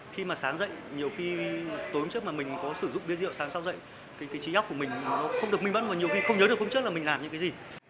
khi mà sáng dậy nhiều khi tối hôm trước mà mình có sử dụng bia rượu sáng sau dậy cái trí nhóc của mình nó không được minh vấn và nhiều khi không nhớ được hôm trước là mình làm những cái gì